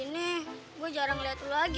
saya menerima regp lama tearing